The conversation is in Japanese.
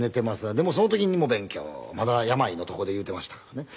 でもその時にも「勉強」まだ病の床で言うていましたからね。